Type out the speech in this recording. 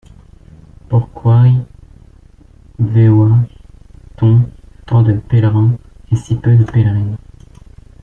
Pourquoy veoit-on tant de pèlerins et si peu de pèlerines?